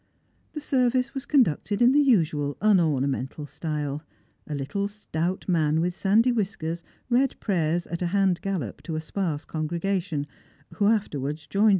The service was conducted in the usual unomamental style; a Httle stout man with sandy whiskers read prayers at a hand gallop to a sparse congregation, who afterwards joined 2S2 Strangers and Pilgrims.